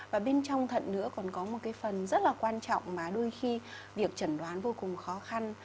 và bên trong thận nữa còn có một cái phần rất là quan trọng mà đôi khi việc chẩn đoán vô cùng khó khăn